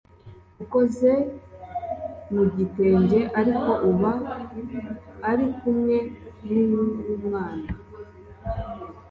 ukoze mu gitenge ariko uba uri kumwe n’uw’umwana